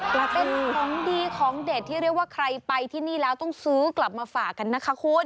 มันเป็นของดีของเด็ดที่เรียกว่าใครไปที่นี่แล้วต้องซื้อกลับมาฝากกันนะคะคุณ